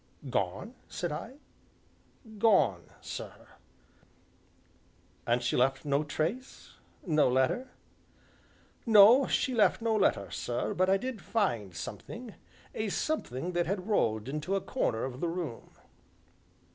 "Gone?" said I. "Gone, sir." "And she left no trace no letter?" "No, she left no letter, sir, but I did find something a something that had rolled into a corner of the room."